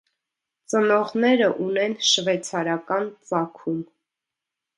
Ծնողները ունեն շվեցարական ծագում։